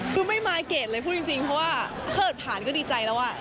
คือไม่มาเกรดเลยพูดจริงเพราะว่าถ้าเกิดผ่านก็ดีใจแล้ว